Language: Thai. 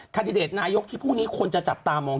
คันดิเดตนายกที่พรุ่งนี้คนจะจับตามอง